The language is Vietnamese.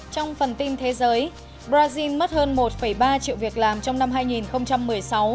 trong phần tin thế giới brazil mất hơn một ba triệu việc làm trong năm hai nghìn một mươi sáu